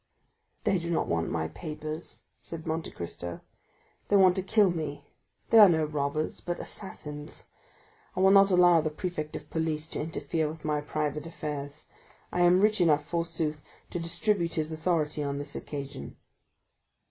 "They do not want my papers," said Monte Cristo, "they want to kill me; they are no robbers, but assassins. I will not allow the prefect of police to interfere with my private affairs. I am rich enough, forsooth, to distribute his authority on this occasion."